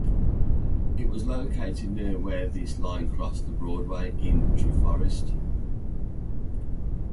It was located near where this line crossed the 'Broadway' in Treforest.